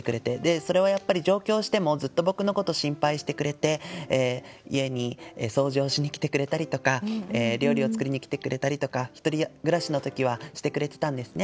それはやっぱり上京してもずっと僕のこと心配してくれて家に掃除をしに来てくれたりとか料理を作りに来てくれたりとか１人暮らしの時はしてくれてたんですね。